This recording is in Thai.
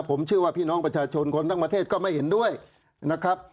ผมเชื่อว่าพี่น้องประชาชนคนทั้งประเทศก็ไม่เห็นด้วยนะครับ